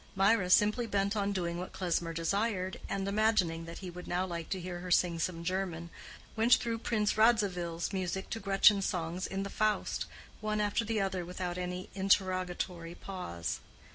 Mirah, simply bent on doing what Klesmer desired, and imagining that he would now like to hear her sing some German, went through Prince Radzivill's music to Gretchen's songs in the Faust, one after the other without any interrogatory pause.